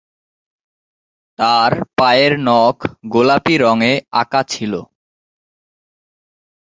তার পায়ের নখ গোলাপী রঙে আঁকা ছিল।